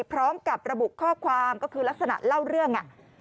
พร้อมกับระบุข้อความก็คือลักษณะเล่าเรื่อง